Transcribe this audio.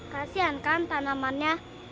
kasian kan tanamannya